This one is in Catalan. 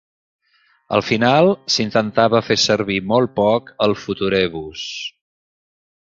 Al final, s'intentava fer servir molt poc el Futurebus.